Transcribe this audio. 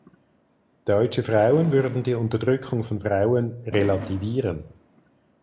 Deutsche Frauen würden die Unterdrückung von Frauen „relativieren“.